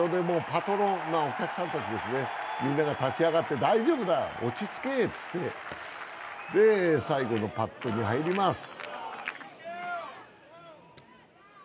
パトロン、お客さんたち、みんなが立ち上がって、大丈夫、落ち着けっていって、最後のパットに入ります。